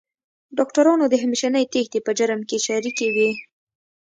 ډاکټرانو د همېشنۍ تېښتې په جرم کې شریکې وې.